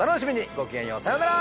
ごきげんようさようなら！